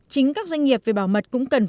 chính các doanh nghiệp về bảo mật cũng cần